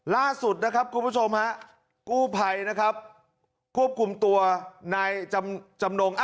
ล่าสุดนะครับคุณผู้ชมฮะกู้ภัยนะครับควบคุมตัวนายจำนง